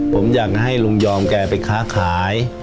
ผมอยากให้ลุงยอมแกไปค้าขาย